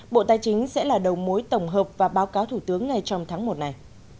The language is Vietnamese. bộ tài chính sẽ là đầu mối tổng hợp và báo cáo thủ tướng ngay trong tháng một này